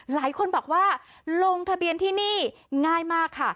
หลายคนบอกว่าลงทะเบียนที่นี่ง่ายมากค่ะ